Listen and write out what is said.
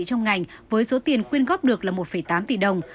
trong ngành với số tiền quyên góp được là một tám tỷ đồng